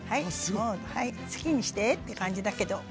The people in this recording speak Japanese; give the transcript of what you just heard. はい好きにしてって感じだけど。